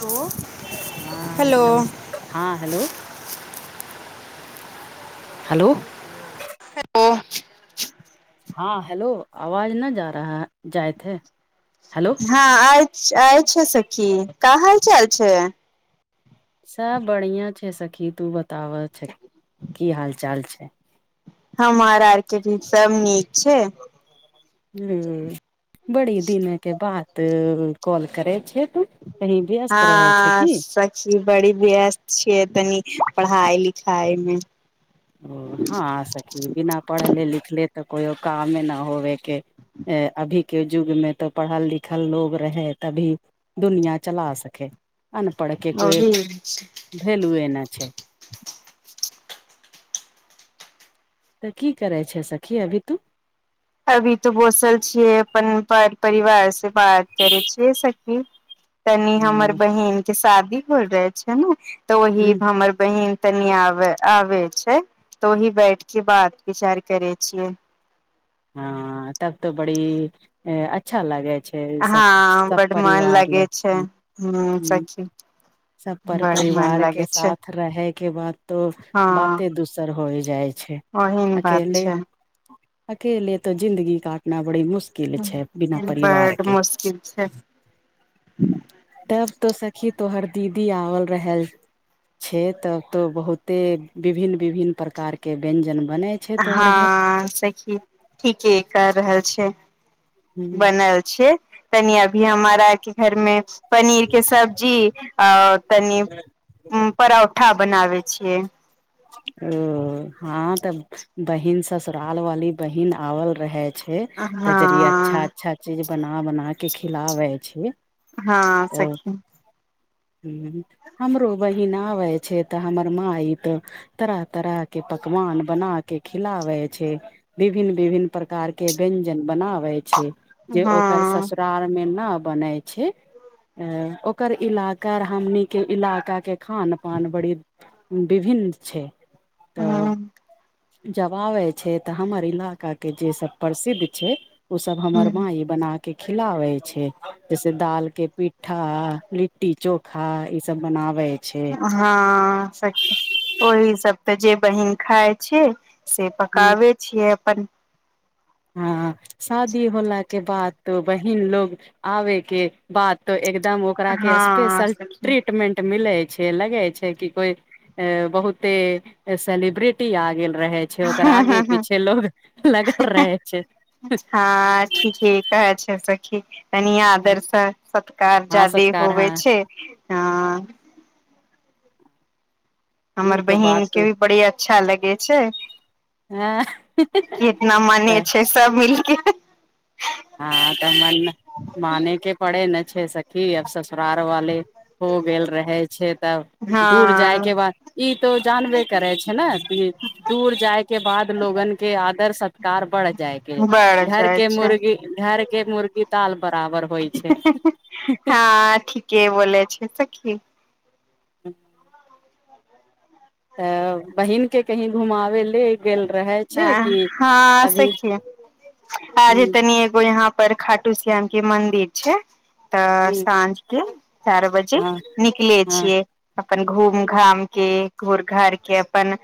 हलोऽ हँ नमश हँ हेलो हेलो हलो चुप चुप हँ हेलो आवाज नहीं जा रहा है जाइतहे हेलो हँ आय आय छै सखी का हाल चाल छै सब बढ़िऑ छै सखी तू बतावह छ की हाल चाल छै हमार आर के भी सब नीक छै बड़ी दिनक बात कॉल करे छ तू कहीं व्यस्त रहे छै हँ की सखी बड़ी व्यस्त छियै तनी पढ़ाई लिखाई मे ओ हँ सखी बिना पढ़ले लिखले तऽ कोइओ कामे नहि होबे के अभी के युग में तऽ पढ़ल लिखल लोग रहे तभी दुनिया चला सके अनपढ़ के कोइ ओही वैलू ए नहि छै तऽ की करै छै सखी अभी तू अभी तो बैसल छियै अपन पर परिवार से बात करै छियै सखी तनी हमर ह बहिन के शादी होल रहे छै ने तऽ ओहि म हमर बहिन तनि आबे आबे छै तऽ ओहि बैठ के बात विचार करे छियै हँऽ तब तऽ बढिये छै ए अच्छा लागै छै सब हँ सब बड मन परिवार लगे ल छै हुं ह हुं सखी सब पर बड मन परिवार लगे के छै साथ रहै के बाद तो बाते दुस् सर होइ जाइ छै ओह ने बात अकेले छै अकेले तो जिन्दगी काटना बड़ी मुशक ह बड मुश्किल छै तब तो सखी तोहर दीदी आओल रहल छैे तब तो बहुते विभिन्न विभिन्न प्रकार के व्यंजन बने छै तोहर घर हँ सखी ठीके कर रहल छी ह बनल छै तनी अभी हमरा घरमे पनीर के सब्जी आऔर तनी परौठा बनाव छियै ओ हँ तऽ बहिन ससुराल वाली बहिन आवल रहै छै तऽ जर अच्छा हँ अच्छा चीज बना बना के खिलाबै छै हँ सखी ह हमरो बहिन आबै छै तऽ हमर माइ त तरह तरह के पकवान बना के खिलाबे छै विभिन्न विभिन्न प्रकार के व्यंजन बनाबै छै जे ओकर ससुराल हँ ससुरालमे न बनै छै अ ओकर इलाका हमन के इलाका के खान पान बड़ी विभिन्न छै तऽ ह जब आबै छै तऽ हमर इलाज का के जे सब प्रसिद्ध छै सब हमर ह माँ ई बनााक के खिलाबे छै जैसे दाल के पिठा लिट्टी चोखा ई सब बनावे छै छय हँ ओहि सब तऽ जे बहिन खााय छै से ह पकाबै छियै अपन हँ शादी होला के बाद तो बहिन लोग आबे के बाद तो एक एकदम ओकरा के हँ स्पेशल सखी ट्रीटमेंट मिलै छै लगे छै कि कोई अ बहुते सेलेब्रिटी आ गेल रहे पीछे होकर आगे हँ पीछे लोग लगल रहेै हँ ठीक कहै छै सखि [unintelligible] सँ सत्कार हँ जादे सत्कार होवे हँ छै ह ओ हमर तऽ बात बहिन के भी बड़ी अच्छा लगे छै हँ कितना तऽ मने छै सब मिलके हँ तऽ मन माने के पड़े ने छै सखी आब ससुरार वाले हो गेल रहै छै तब दूर जायके हँ बाद ई तो जानबे करे छै ने दूर जाय के बाद लोगन के आदर सत कार बढ़ जाएके बढ़ घर जाइ के छै मुर्गी घर के मुर्गी ताल बराबर होइ छै [unintelligible] हँ ठीके बोल छै सखी [inaudible] तऽ बहिन के कही घुमाबे ले गेल रहे छै कि हँ अभी सखिय आजे ह तनी एगो यहाँ पर खाटू श्याम के मन्दिर छै ह तऽ साँझ के चार बजे हँ निकले हँ छियै अपन घूम घाम के घुर घार के अपन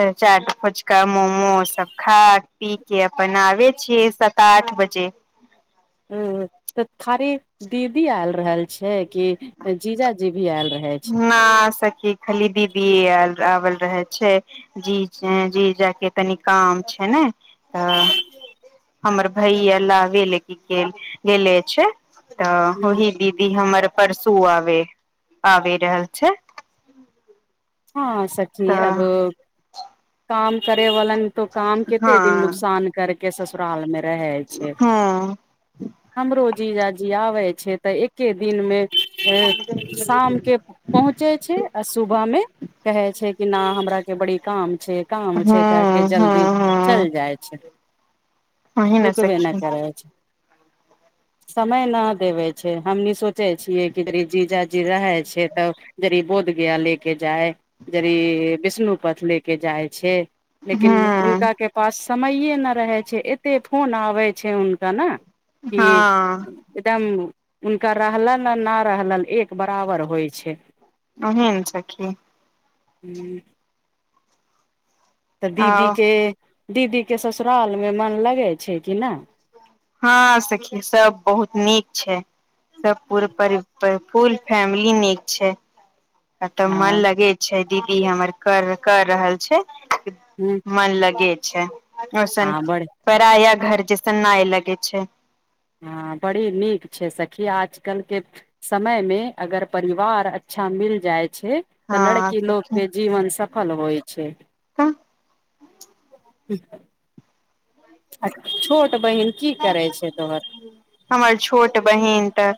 जा रहल अछि कामो उमो सब खा पी के आ बनाबे छियै सात आठ बजे उ त खाली दीदी आयल रहल छै कि जीजाजी भी आयल रह न सखी खली दीदि‌य आबल रहे छै जी जी जायके तनी काम छै ने तऽ हमर भइया लाबैहे ल गेल लेे छै तऽ ओही दीदी हमर परसू आबे आबि रहल छैय हँ सखी अब काम करे वला ने तो काम कते हँ दिन नुकसान कर के ससुराल मे रहय छैय हँ हमरो जीजाजी आबै छैय तऽ एके दिन मे शाम के पहुँचे छैय आ सुबह मे कहे छैय कि न हमरा के बड़ी काम छैय हँ काम छैय कह के हँ जल्दी चइल हँ जाय छैय वही न सखी करै छै समय न देबे छैय हमनी सोचय छियै कि जीजाजी रहे छैय तऽ जड़ी बोधगया ले के जाय जड़ी विष्णुपद ले के जाय छैय लेकिन हँ उनका के पास समैये नय रहे छैय एतेक फोन आबै छैय हुनका ने कि हँ एकदम हुनका रहलन आ न रहलन एक बराबर होय छैय एहन सखी हूं तऽ आ दीदी के दीदी के ससुराल मे मन लगै छैय कि नय हँ सखी सब बहुत नीक छैय सब पूर परि फूल फैमिली नीक छैय एतऽ मन हँ लगे छै दीदी हमर कर कऽ रहल छैय [unintelligible] मन लगे छैय ओसन आ बड़ पराया घर जैसन नय लगे छैय बड़ी नीक छैम सखी आजकल के समय मे अगर परिवार अच्छा मिल जाय छैय तऽ हँ लड़की लोग के तऽ जीवन सफल होय छै [unintelligible] आ छोट बहिन की करै छै तोहर हमर छोट बहिन तऽ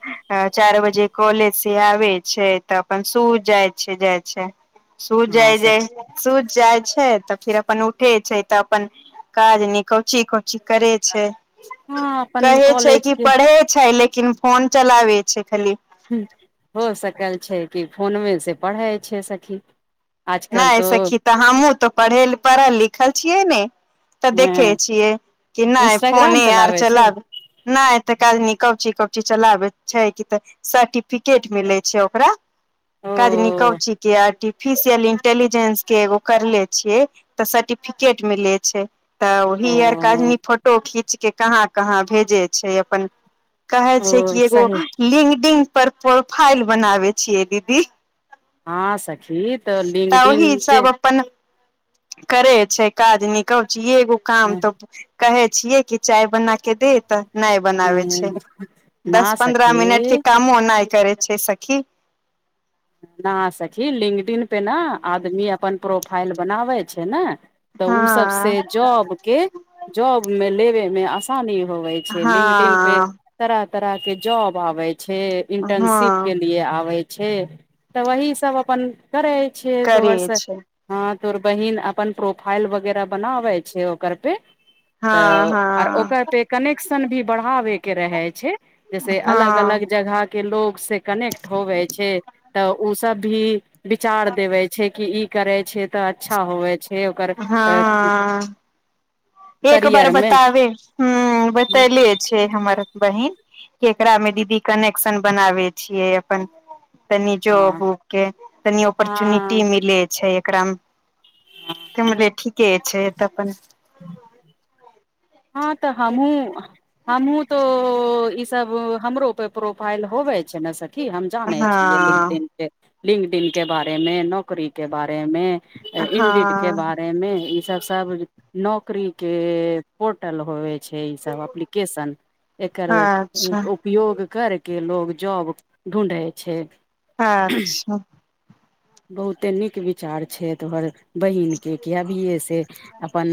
चारि बजे कॉलेज से आबेय छै तऽ अपन सो जाय छै जाय छै सो हँ जाय सर जाय सो जाय छै तऽ फिर अपन उठेय छै तऽ अपन काज नी कौची कौची करे छै हँ अपन कहे छै कॉलेज कि के पढ़े छै लेकिन फोन चलाबे छै खाली हो सकल छै कि फोनमे से पढ़य छै सखी आजकल नहि तो सखी तऽ हमहूँ तऽ पढ़ैल पढ़ल लिखल छियै ने तऽ हँ देखे छियै कि नहि इंस्टाग्राम फोने आर चलाबै छै चलब नहि एतेक आदमी कौची कौची चलाबैत छैय कि तनी सर्टिपिकेट मिलै छै ओकरा ओ काज निकौची के आर्टिफिशियल इ डिजेंस के एगो करले छियै तऽ सर्टिफिकेट मिले छै तऽ ओ ओही आर काजनी फोटो खींच के कहाँ कहाँ भेजै छै अपन काहै ओ छियै कि एगो सही लिंगडिंग पर प्रोफाइल बनाबे छियै दीदी हां सखी तऽ लिंगडिन ओहि जे सब अपन करे छैय काज न कौचीये काम त कहै छियै कि चाय बना के दे त। नै बनाबै छै, ना दस पन्द्रह सखी मिनटके कामो नाय करै छै सखी। ना सखी लिंगडिन पे ना, आदमी अपन प्रोफाइल बनाबै छै न त उ सब से हँ जॉब। के जॉब मे लेबे मे आसानी होवै छैय लिंगडिंग पे हँ तरह तरह के जॉब आबै छै इंटनशिप हँ के लिए आबै छै तऽ वही सब अपन करय छियै दू करे बर्षक छै हँ तोर बहिन अपन प्रोफाइल वगैरह बनाबे छै ओकर पे हँ तऽ आर हँ ओकर पे कनेक्शन भी बढ़ाबे के रहै छै जैसे अलग अलग हँ जगह टिक। के लोग से कनेक्ट होवे छै, त ओ सब भी विचार देवे छै कि ई। करै छै तऽ अच्छा होवे छै ओकर अ। हँ एक बार बतावे हुं बतैले छै हमर बहिन। ऐकरा मे दीदी कनेक्शन बनावे छियै अपन। तनि जॉब हँ उब के तनि हँ ऑपर्चुनिटी मिलै छै एकराम। एमरे ठीके छै त अपन ‌। हँ तऽ हमहुॅं, हमहुँ तो ई सब हमरो पे प्रोफाइल होवे। छै ने सखी हम जानै छी दिन हँ दिन। लिंगडिन के बारे में, नौकरी के बारे में। ए इंडिड के हँ बारे में ईसब सब नौकरी के। पोर्टल होेबेय छै ई सब एप्लीकेशन एकर स ऊॅं अच्छा उप। उपयोग करके लोग जाॅब ढुॅंढै छै। आच्छा बहुते नीक विचार छै तोहर बहिन के कियाकी से अपन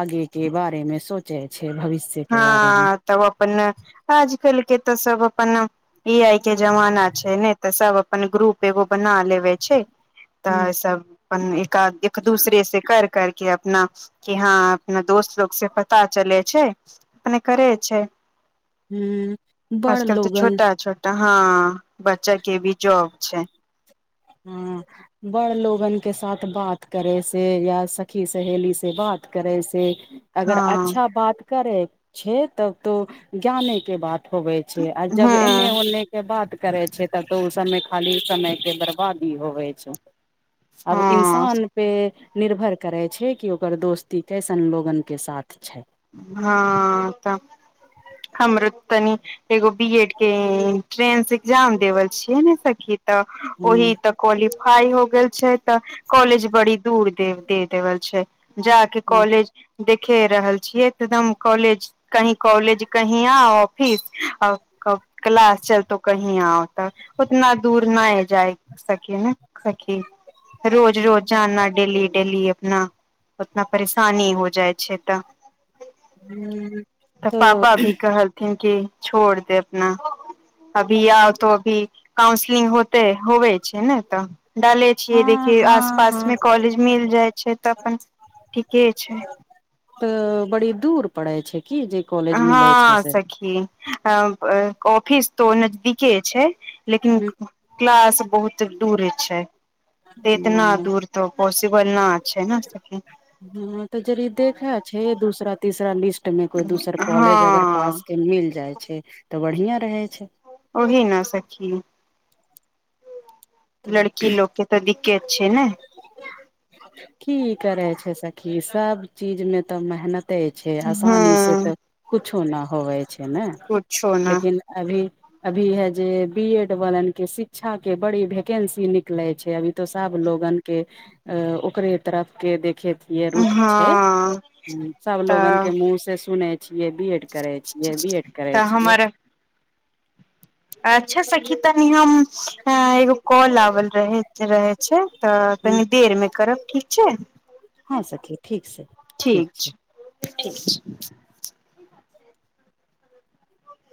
आगे के बारे में सोचे छै भविष्य के बारे में। हँ तब अपने आजकल के तऽ सब अपन त। ऐ आय के जवाना छै ने तऽ सब अपन ग्रुप एगो बना लेबे छै। मे दाय सब अपन एका एक दूसरे से। कर कर के अपना कि हँ, अपना दोस्त लोग से पता चले छैया। अपने करे छैय, हूँ बड़ आजकल तऽ लोगन छोटा छ। हाॅ बच्चा के भी जॉब छैय। हाॅं। बड़ लोगन के साथ बात करे से, या सखी सहेली से बात करे से। अगर हँ अच्छा बात करे छैय तब तो ज्ञाने के बात। होवे छै आ जब एने हँ ओने के बात करे छैय तब तऽ ओ समय खाली समय के बरबा। आदि होवै छैय, आब हँ इन्सान। पे निर्भर करै छैय कि ओकर दोस्ती कैसन लोगन के साथ छै। हाॅं त हमरो तनी। एगो बी एड के इंट्रेंस एग्जाम देवेल छियै ने सखी त ओहि हूँ त। क्वलीफाई हो गेल छैय त, कॉलेज बड़ी दूर दे देवल छैय। जा के हूँ कॉलेज देखे रहल छियै एकदम कॉलेज। कही कॉलेज कही आ ऑफिस अब। कब क्लास चलतो कही आकर त उतना दूर नैय जाय। सखी नेक सखी। रोज रोज जाना डेली डेली अपना, उतना परेशानी हो जाय छैय त। तऽ पापा भी कहलथिन कि छोड़ दे अपना। अभी आउ तो भी काउंसलिंग होते होवे छैय ने तऽ डाले। छिय हँ देखिय हँ आसपास हँ मे कॉलेज मिल जाय छैय तऽ अपन ठीके छैय। त बड़ी दुर पड़े छै कि जै। हँ सखी अब अ ऑफिस तो नजदिके छैय। लेकिन क क्लास बहुत दूरे छैय। ऐतना ह दुर त पॉसिबल ना छैय ना सखी। ह तऽ जरी देखा छैय दूसरा, तीसरा लिस्ट। मे कोई दोसर कॉलेज अगर पास हँ के मिल जाय छैय तऽ बढ़िया रहे छैय। ओहि न सखी। लड़की लोकके त दिक्केत छैय ने। कि करै छैय सखी सब चीज में त मेहनत। ते छैयआसानी से हँ तऽ कुछे नैय होवै छैय ना। पूछो न लेकिन अभी अभी हे जैय बी एड वालन के शिक्षा के बड़ी भैकेंसी निकले छैय। अभी तो सब। लोगन के अ ओकरे तरफ के देखे। ये रूख छैय, हँ हूं। सब लोगन तऽ के मुह से सुने छियै बिएड। करै छियै, बी एड करै तऽ छियै। हमर अच्छा सखी तानी हम एं एगो कॉल आबल रहे। रहै छैय तऽ हूँ तनी देरमे करब ठीक छैय। हा सखी ठीक से, ठीक ठीक छै छैय, ठीक छैय।